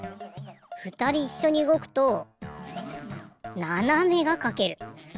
ふたりいっしょにうごくとななめがかける。